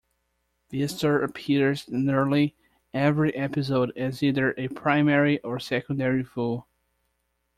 Beastur appears in nearly every episode as either a primary or secondary foe.